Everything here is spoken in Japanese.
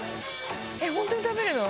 本当に食べるの？